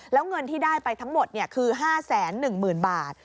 แล้วเงินที่ได้ไปทั้งหมดคือ๕๑๐๐๐บาท